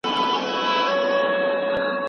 آیا ماشومان په ټولګي کي د مورنۍ ژبې حق لري؟